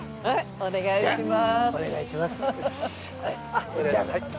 お願いします。